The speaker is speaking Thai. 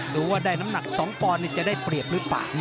ดูว่าได้น้ำหนัก๒ปอนด์จะได้เปรียบหรือเปล่า